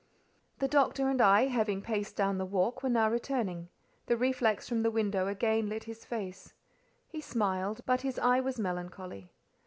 The Doctor and I, having paced down the walk, were now returning; the reflex from the window again lit his face: he smiled, but his eye was melancholy.